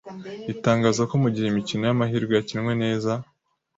itangaza ko mu gihe imikino y’amahirwe yakinwe neza